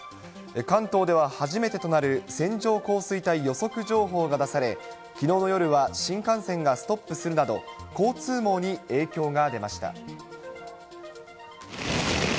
関東では初めてとなる線状降水帯予測情報が出され、きのうの夜は新幹線がストップするなど、交通網に影響が出ました。